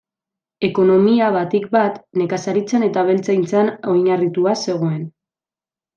Ekonomia batik bat nekazaritzan eta abeltzaintzan oinarritua zegoen.